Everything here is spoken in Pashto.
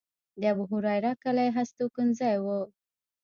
د ابوهریره کلی هستوګنځی و.